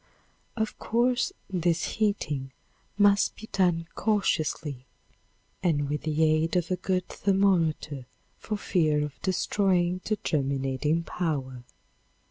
Of course, this heating must be done cautiously and with the aid of a good thermometer for fear of destroying the germinating power.